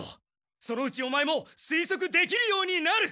そのうちオマエも推測できるようになる！